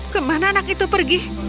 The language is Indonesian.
kemana anak itu pergi